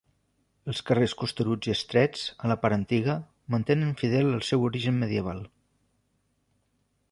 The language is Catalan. Els carrers costeruts i estrets a la part antiga, mantenen fidel el seu origen medieval.